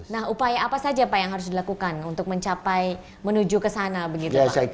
nah upaya apa saja pak yang harus dilakukan untuk mencapai menuju ke sana begitu pak